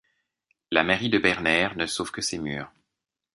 La mairie de Berner ne sauve que ses murs.